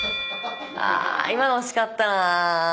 あ今の惜しかったな。